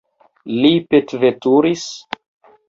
Li petveturis?